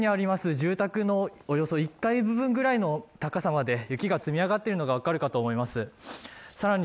住宅のおよそ１階部分の高さまで雪が積み上がっているのが分かると思います。